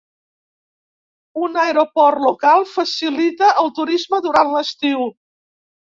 Un aeroport local facilita el turisme durant l'estiu.